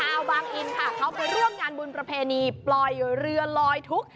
บางอินค่ะเขาไปร่วมงานบุญประเพณีปล่อยเรือลอยทุกข์